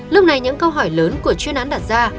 lúc này những câu hỏi lớn của chuyên án đặt ra